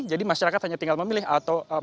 jadi masyarakat hanya tinggal memilih atau memilih